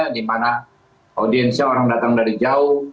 di mana audiensnya orang datang dari jauh